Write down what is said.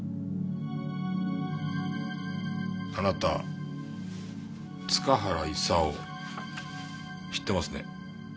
あなた塚原勲知ってますね？